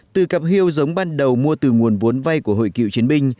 từ cặp hiêu giống ban đầu mua từ nguồn vốn vay của hội cựu chiến binh